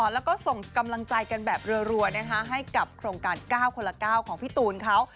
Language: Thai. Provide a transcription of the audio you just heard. แล้วก็ส่งกำลังใจกันแบบรัวให้กับโครงการ๙คนละ๙ของพี่ตูนเขา